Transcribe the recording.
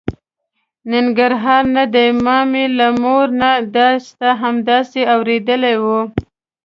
ننګرهار نه دی، ما مې له مور نه دا ستا همداسې اورېدې وه.